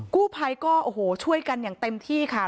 กู้ไพก็ช่วยกันอย่างเต็มที่ค่ะ